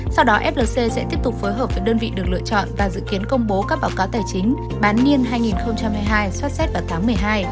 sau đó flc sẽ tiếp tục phối hợp với đơn vị được lựa chọn và dự kiến công bố các báo cáo tài chính bán niên hai nghìn hai mươi hai xót xét vào tháng một mươi hai